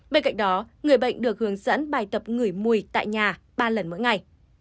bên cạnh đó người bệnh được hướng dẫn bài tập ngửi mùi tại nhà ba lần mỗi ngày